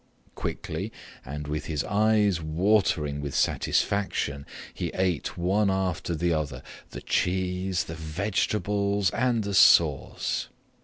Quickly and with his eyes watering with satisfaction, he ate one after the other the cheese, the vegetables, and the sauce.